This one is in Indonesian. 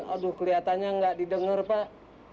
aduh kelihatannya nggak didengar pak